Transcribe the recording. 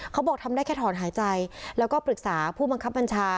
เขาบอกทำได้แค่ถอนหายใจแล้วก็ปรึกษาผู้บังคับบัญชา